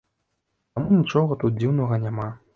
Таму нічога тут дзіўнага няма.